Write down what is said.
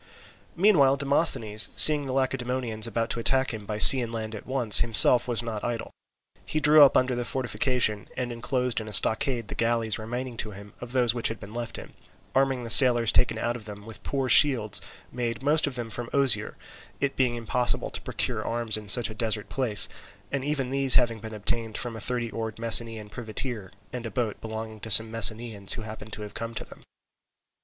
Meanwhile Demosthenes, seeing the Lacedaemonians about to attack him by sea and land at once, himself was not idle. He drew up under the fortification and enclosed in a stockade the galleys remaining to him of those which had been left him, arming the sailors taken out of them with poor shields made most of them of osier, it being impossible to procure arms in such a desert place, and even these having been obtained from a thirty oared Messenian privateer and a boat belonging to some Messenians who happened to have come to them.